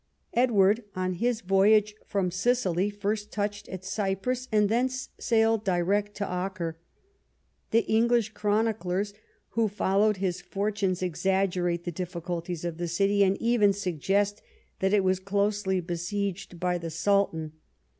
Edward on his voyage from Sicily first touched at Cyprus, and thence sailed direct to Acre. The English chroniclers who followed his fortunes exaggerate the difficulties of the city, and even suggest that it was closely besieged by the Sultan.